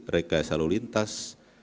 rekai salur lintas